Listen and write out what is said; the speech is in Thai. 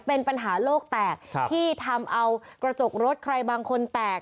เป็นปัญหาโลกแตกที่ทำเอากระจกรถใครบางคนแตก